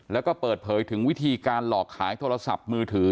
แล้วก็เปิดเผยถึงวิธีการหลอกขายโทรศัพท์มือถือ